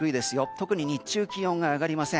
特に日中、気温が上がりません。